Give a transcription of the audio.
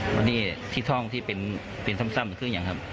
วันนี้ที่ท่องที่เป็นซ้ำคืออย่างครับ